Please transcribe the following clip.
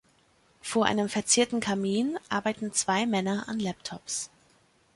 Vor einem verzierten Kamin arbeiten Zwei Männeran Laptops.